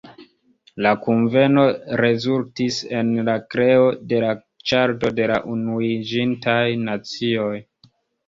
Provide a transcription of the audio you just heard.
La kunveno rezultis en la kreo de la Ĉarto de la Unuiĝintaj Nacioj.